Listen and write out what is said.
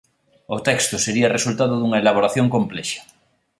O texto sería resultado dunha elaboración complexa.